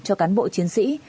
cho cán bộ chiến sĩ